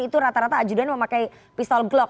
itu rata rata ajudan memakai pistol glock